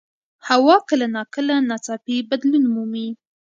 هوا کله ناکله ناڅاپي بدلون مومي